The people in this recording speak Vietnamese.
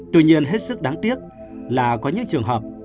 tuy nhiên hết sức đáng tiếc là có những trường hợp